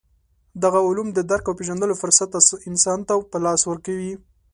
دغه علوم د درک او پېژندلو فرصت انسان ته په لاس ورکوي.